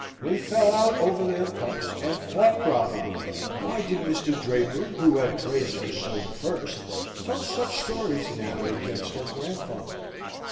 They fell out over their cups, and fought probably. Why did Mr. Draper, who had praised her so at first, tell such stories now against her grandfather?